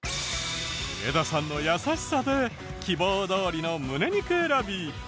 上田さんの優しさで希望どおりのムネ肉選び。